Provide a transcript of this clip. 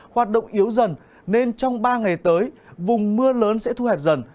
hoạt động yếu dần nên trong ba ngày tới vùng mưa lớn sẽ thu hẹp dần